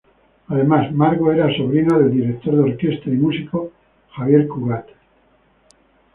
Además, Margo era sobrina del director de orquesta y músico Xavier Cugat.